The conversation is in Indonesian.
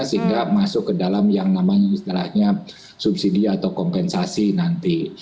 sehingga masuk ke dalam yang namanya yang namanya subsidia atau kompensasi nanti